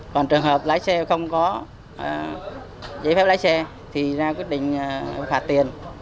còn trường hợp lái xe không có giấy phép lái xe thì ra quyết định phạt tiền